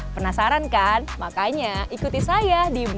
penasaran kan makanya ikuti saya di makan makan